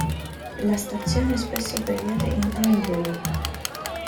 La stazione è spesso abbreviata in "Highbury".